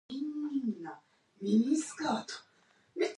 Theon thus became Grand Master of the Exterior Circle of the Order.